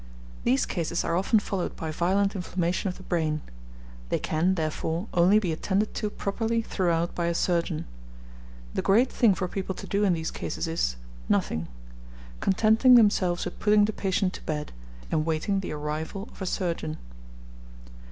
These cases are often followed by violent inflammation of the brain. They can, therefore, only be attended to properly throughout by a surgeon. The great thing for people to do in these cases is nothing; contenting themselves with putting the patient to bed, and waiting the arrival of a surgeon.